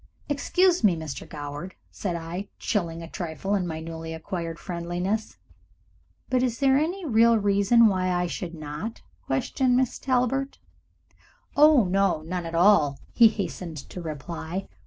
"Excuse me, Mr. Goward," said I, chilling a trifle in my newly acquired friendliness, "but is there any real reason why I should not question Miss Talbert " "Oh no, none at all," he hastened to reply.